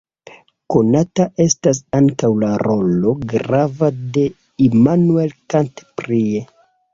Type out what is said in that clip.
Konata estas ankaŭ la rolo grava de Immanuel Kant prie.